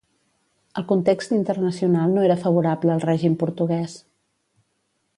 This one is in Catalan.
El context internacional no era favorable al règim portuguès.